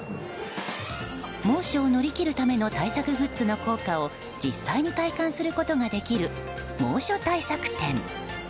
猛暑を乗り切るための対策グッズの効果を実際に体感することができる猛暑対策展。